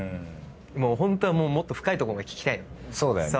ホントはもっと深いとこまで聞きたいの。